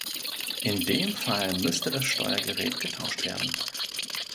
In dem Fall müsste das Steuergerät getauscht werden.